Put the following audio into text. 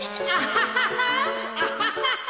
アハハハ！